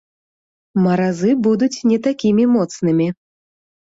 Маразы будуць не такімі моцнымі.